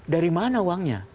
dari mana uangnya